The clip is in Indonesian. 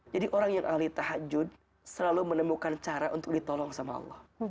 jadi orang yang ahli tahajud selalu menemukan cara untuk ditolong sama allah